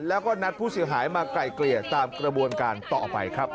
แล้วก็นัดผู้เสียหายมาไกลเกลี่ยตามกระบวนการต่อไปครับ